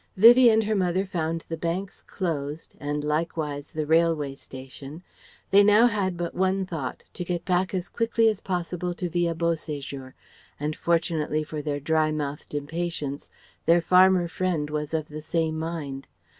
Vivie and her mother found the banks closed and likewise the railway station. They now had but one thought: to get back as quickly as possible to Villa Beau séjour, and fortunately for their dry mouthed impatience their farmer friend was of the same mind.